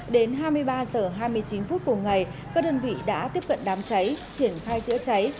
đến hai mươi ba h hai mươi chín phút cùng ngày các đơn vị đã tiếp cận đám cháy triển khai chữa cháy